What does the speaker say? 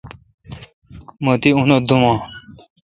مہ تی انت دوم اں